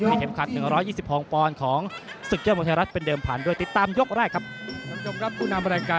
เป็นเข็มขัด๑๒๐พองปอนด์ของ